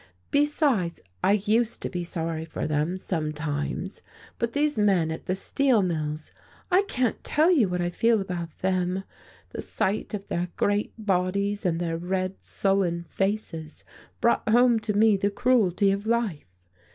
"Besides, I used to be sorry for them, sometimes. But these men at the steel mills I can't tell you what I feel about them. The sight of their great bodies and their red, sullen faces brought home to me the cruelty of life.